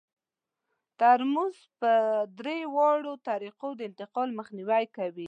ترموز په درې واړو طریقو د انتقال مخنیوی کوي.